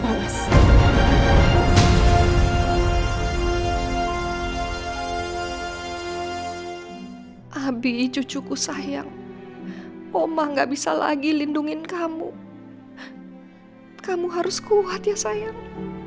abi cucuku sayang omang nggak bisa lagi lindungi kamu kamu harus kuat ya sayang